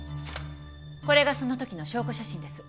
これがそのときの証拠写真です。